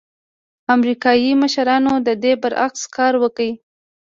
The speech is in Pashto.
امریکايي مشرانو د دې برعکس کار وکړ.